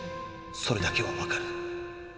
それだけはわかる。